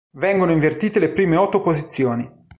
Vengono invertite le prime otto posizioni.